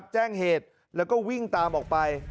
แจ้งเหตุแล้วก็วิ่งตามออกไป